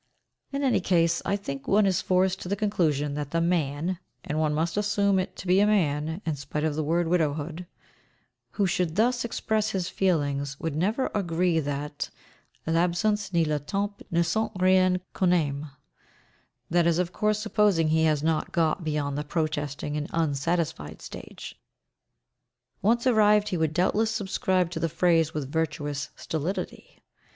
In any case, I think one is forced to the conclusion that the man (and one must assume it to be a man, in spite of the word "widowhood") who should thus express his feelings would never agree that "L'absence ni le temps ne sont rien quand on aime;" that is, of course, supposing he has not got beyond the protesting and unsatisfied stage. Once arrived, he would doubtless subscribe to the phrase with virtuous stolidity.